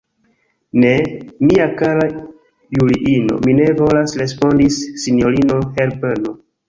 Ne, mia kara Juliino, mi ne volas, respondis sinjorino Herbeno.